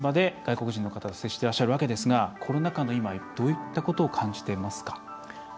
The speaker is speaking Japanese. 沢田さんも現場で外国人の方と接しているわけですがコロナ禍の今、どういったことを感じていますか？